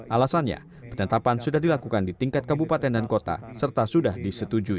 alasannya penetapan sudah dilakukan di tingkat kabupaten dan kota serta sudah disetujui